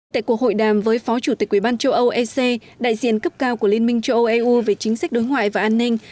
tại cuộc hội đàm với phó chủ tịch quỹ ban châu âu ec đại diện cấp cao của liên minh châu âu eu về chính sách đối ngoại và an ninh